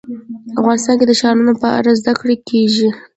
افغانستان کې د ښارونو په اړه زده کړه کېږي.